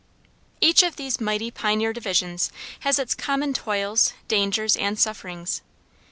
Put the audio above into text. Each of these mighty pioneer divisions has its common toils, dangers, and sufferings.